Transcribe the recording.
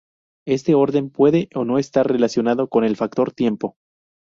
Este orden, puede o no estar relacionado con el factor tiempo.